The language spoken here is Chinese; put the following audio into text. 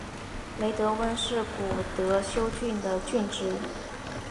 雷德温是古德休郡的郡治。